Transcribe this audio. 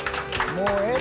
もうええ。